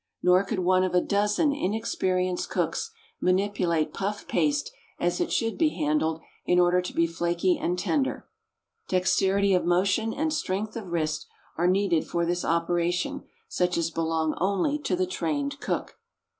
Nor could one of a dozen inexperienced cooks manipulate puff paste as it should be handled in order to be flaky and tender. Dexterity of motion and strength of wrist are needed for this operation, such as belong only to the trained cook.